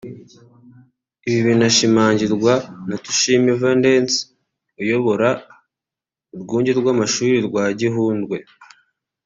Ibi binashimangirwa na Tushime Valens uyobora urwunge rw’amashuri rwa Gihundwe